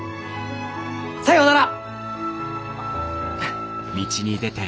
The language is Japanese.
さようなら！